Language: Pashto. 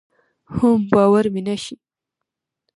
حم باور مې نشي.